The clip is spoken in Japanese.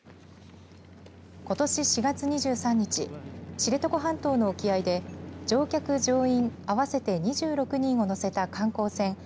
ことし４月２３日知床半島の沖合で乗客、乗員合わせて２６人を乗せた観光船